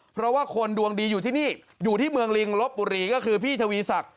เพราะว่าคนดวงดีอยู่ที่นี่อยู่ที่เมืองลิงลบบุรีก็คือพี่ทวีศักดิ